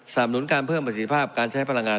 หนุนการเพิ่มประสิทธิภาพการใช้พลังงาน